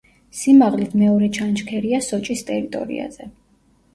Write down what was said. სიმაღლით მეორე ჩანჩქერია სოჭის ტერიტორიაზე.